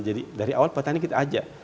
jadi dari awal petani kita ajak